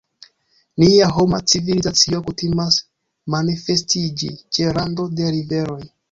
Nia homa civilizacio kutimas manifestiĝi ĉe rando de riveroj.